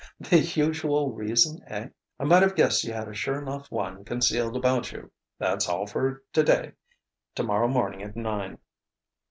"The usual reason, eh? I might have guessed you had a sure 'nough one concealed about you.... That's all for today. Tomorrow morning at nine."